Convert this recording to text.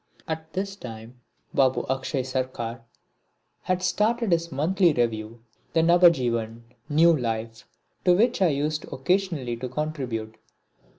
At this time Babu Akshay Sarkar had started his monthly review, the Nabajiban, New Life, to which I used occasionally to contribute.